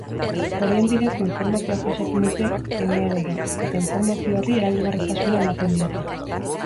Horien bidez informazioa jasotzen dute uneroro eta informazio horri erabilgarritasuna ematen diote.